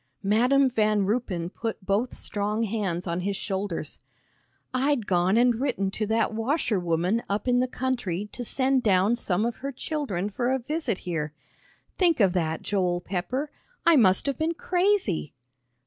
Madam Van Ruypen put both strong hands on his shoulders. "I'd gone and written to that washerwoman up in the country to send down some of her children for a visit here. Think of that, Joel Pepper; I must have been crazy!"